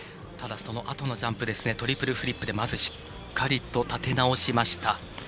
そのあとのジャンプでトリプルフリップでしっかりと立て直しました。